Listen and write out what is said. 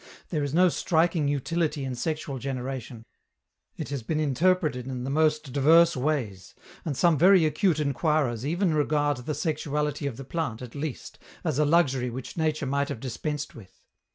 There is no striking utility in sexual generation; it has been interpreted in the most diverse ways; and some very acute enquirers even regard the sexuality of the plant, at least, as a luxury which nature might have dispensed with.